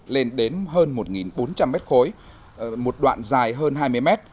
lên đến hơn một bốn trăm linh mét khối một đoạn dài hơn hai mươi mét